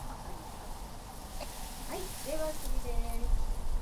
By resorting to the former they were simultaneously forwarding the latter.